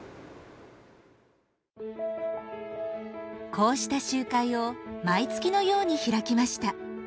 こうした集会を毎月のように開きました。